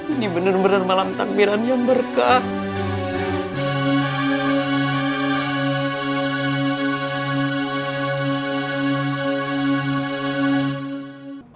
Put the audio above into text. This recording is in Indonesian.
ini bener bener malam takbiran yang berkat